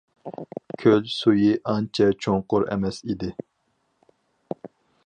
كۆل سۈيى ئانچە چوڭقۇر ئەمەس ئىدى.